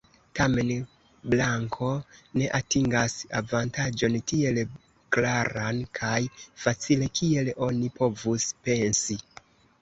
Tamen blanko ne atingas avantaĝon tiel klaran kaj facile kiel oni povus pensi.